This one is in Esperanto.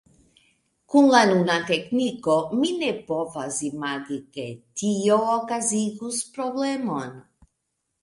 Kun la nuna tekniko, mi ne povas imagi, ke tio okazigus problemon!